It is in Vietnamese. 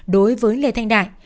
đối với lê thanh đại